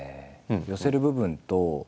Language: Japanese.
寄せる部分と。